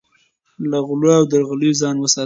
له غلو او درغلیو ځان وساتئ.